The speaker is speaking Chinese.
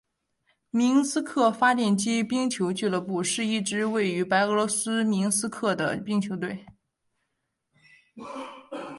明斯克发电机冰球俱乐部是一支位于白俄罗斯明斯克的冰球队。